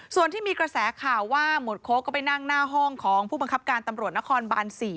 ส่วนที่มีกระแสข่าวว่าหมวดโค้กก็ไปนั่งหน้าห้องของผู้บังคับการตำรวจนครบาน๔